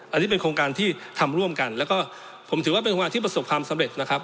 อันนี้เป็นโครงการที่ทำร่วมกันแล้วก็ผมถือว่าเป็นโครงการที่ประสบความสำเร็จนะครับ